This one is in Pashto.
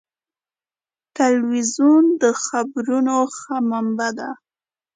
تلویزیون د خبرونو ښه منبع ده.